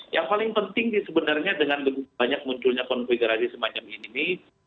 yang paling penting sebenarnya dengan banyak munculnya konfigurasi semacam ini